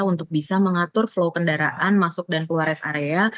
untuk bisa mengatur flow kendaraan masuk dan keluar rest area